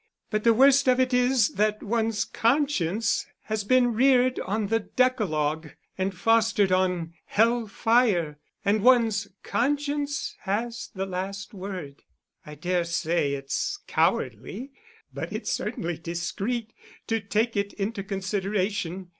But the worst of it is that one's conscience has been reared on the Decalogue, and fostered on hell fire and one's conscience has the last word. I dare say it's cowardly, but it's certainly discreet, to take it into consideration.